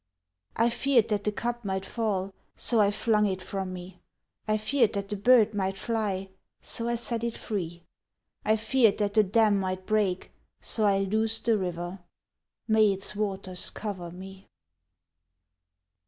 I feared that the cup might fall, so I flung it from me; I feared that the bird might fly, so I set it free; I feared that the dam might break, so I loosed the river : May its waters cover me.